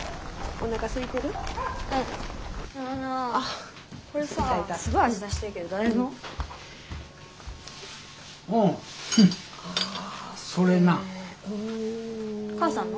お母さんの？